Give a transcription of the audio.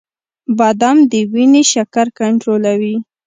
• بادام د وینې شکر کنټرولوي.